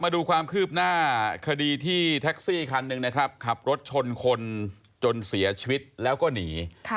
มาดูความคืบหน้าคดีที่แท็กซี่คันหนึ่งนะครับขับรถชนคนจนเสียชีวิตแล้วก็หนี